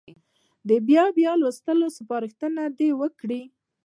د بیا بیا لوستلو سپارښتنه دې وکړي.